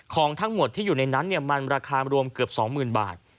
ของทั้งหมดที่อยู่ในนั้นมันราคารวมเกือบ๒๐๐๐บาท